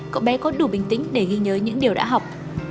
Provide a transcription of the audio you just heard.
cậu bé có đủ bình tĩnh để ghi nhớ những điều đã học